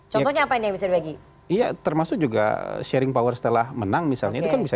contohnya apa nih yang bisa dibagi iya termasuk juga sharing power setelah menang misalnya itu kan bisa